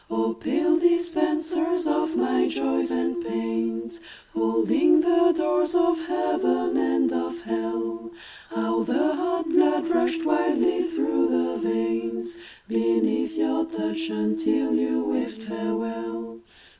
Oh, pale dispensers of my Joys and Pains, Holding the doors of Heaven and of Hell, How the hot blood rushed wildly through the veins Beneath your touch, until you waved farewell.